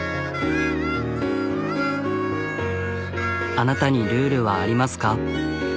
あなたにルールはありますか？